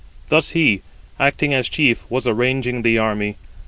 Thus he, acting as chief, was arranging the army.